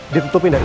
ditutupin dari saya